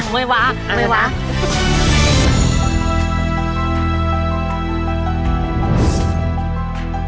ไม่ว่า